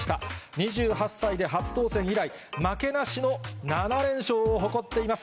２８歳で初当選以来、負けなしの７連勝を誇っています。